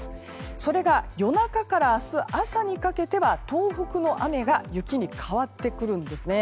それが夜中から明日朝にかけては東北の雨が雪に変わってくるんですね。